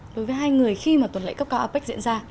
đối với hai người khi mà tuần lễ cấp cao apec diễn ra